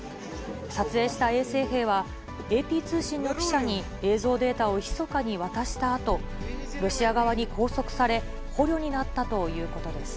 撮影した衛生兵は、ＡＰ通信の記者に映像データをひそかに渡したあと、ロシア側に拘束され、捕虜になったということです。